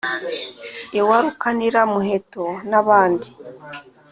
iwa rukanira muheto nabandi .